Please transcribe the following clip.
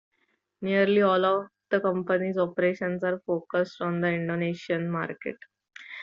Nearly all of the company's operations are focused on the Indonesian market.